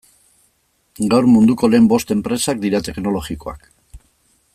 Gaur munduko lehen bost enpresak dira teknologikoak.